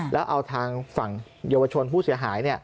แล้วเอาทางฝั่งเยาวชนผู้เสียหาย